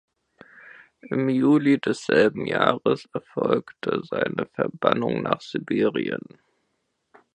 Im Juli desselben Jahres erfolgte seine Verbannung nach Sibirien.